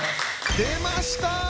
出ました！